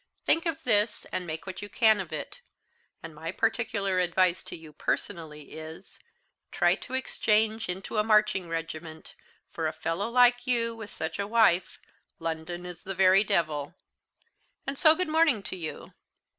Think of this, and make what you can of it; and my particular advice to you personally is, try to exchange into a marching regiment; for a fellow like you, with such a wife, London is the very devil! And so good morning to you."